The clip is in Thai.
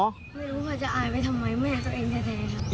ไม่รู้ว่าจะอายไปทำไมแม่ตัวเองแท้ครับ